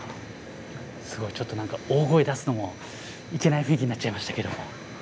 すごいちょっと何か大声出すのもいけない雰囲気になっちゃいましたけど。